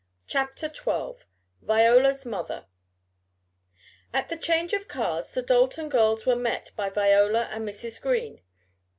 CHAPTER XII VIOLA'S MOTHER At the change of cars the Dalton girls were met by Viola and Mrs. Green.